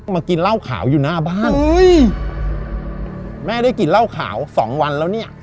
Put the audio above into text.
มากินเหล้าขาวอยู่หน้าบ้านเฮ้ยแม่ได้กินเหล้าขาวสองวันแล้วเนี่ย